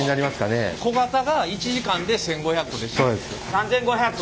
３，５００。